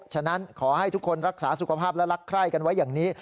ฉะนั้นขอให้ทุกคนรักษาสุขภาพและรักใคร่กันไว้อย่างนี้